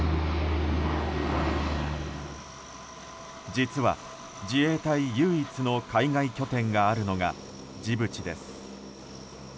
実は、自衛隊唯一の海外拠点があるのがジブチです。